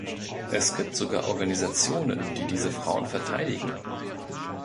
Es gibt sogar Organisationen, die diese Frauen verteidigen!